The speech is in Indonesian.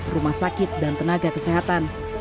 rumah sakit dan tenaga kesehatan